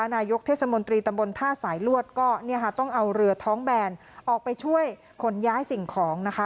นายกเทศมนตรีตำบลท่าสายลวดก็ต้องเอาเรือท้องแบนออกไปช่วยขนย้ายสิ่งของนะคะ